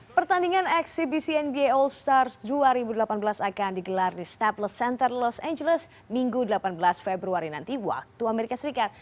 pertandingan eksibisi nba all stars dua ribu delapan belas akan digelar di stapless center los angeles minggu delapan belas februari nanti waktu amerika serikat